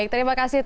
terima kasih minta